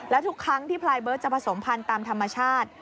และทุกครั้งที่พลายเบิร์ตจะผสมพันธุ์ตามธรรมชาติ